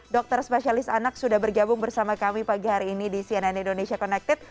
dokter spesialis anak sudah bergabung bersama kami pagi hari ini di cnn indonesia connected